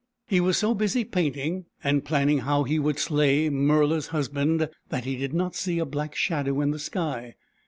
He was so busy painting, and planning how he would slay Murla's husband, that he did not see a black shadow in the sky.